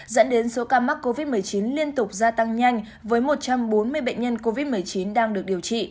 dẫn đến số ca mắc covid một mươi chín liên tục gia tăng nhanh với một trăm bốn mươi bệnh nhân covid một mươi chín đang được điều trị